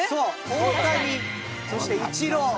大谷そしてイチロー王。